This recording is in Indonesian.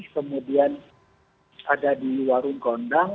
kemudian ada di warung gondang